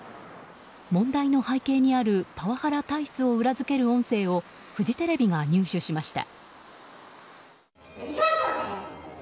問題の背景にあるパワハラ体質を裏付ける音声をフジテレビが入手しました。